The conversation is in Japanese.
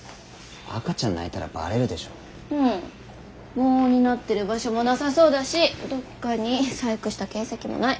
防音になってる場所もなさそうだしどっかに細工した形跡もない。